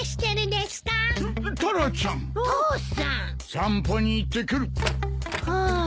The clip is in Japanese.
散歩に行ってくる。